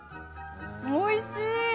おいしい！